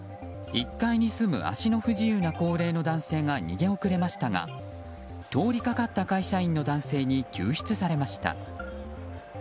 １階に住む足の不自由な高齢の男性が逃げ遅れましたが通りかかった会社員の男性に救出されました。